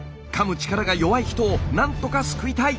力が弱い人をなんとか救いたい！